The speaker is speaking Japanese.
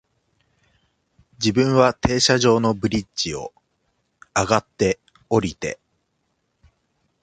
自分は停車場のブリッジを、上って、降りて、